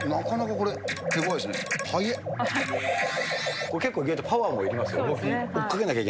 これ結構、意外とパワーもいりまそうですね。